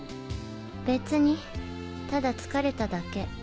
別にただ疲れただけ。